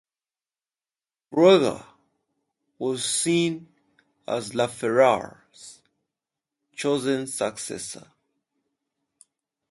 Frogier was seen as Lafleur's chosen successor.